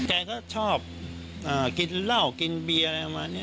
แกก็ชอบกินเหล้ากินเบียร์อะไรประมาณนี้